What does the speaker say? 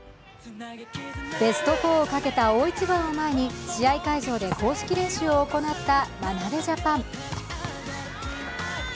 ベスト４をかけた大一番を前に試合会場で公式練習を行った眞鍋ジャパン。